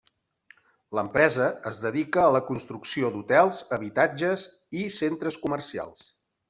L'empresa es dedica a la construcció d'hotels, habitatges i centres comercials.